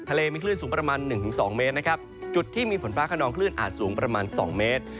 ทะเลมีคลื่นสูงประมาณ๑๒เมตรนะครับจุดที่มีฝนฟ้าขนองคลื่นอาจสูงประมาณ๒เมตร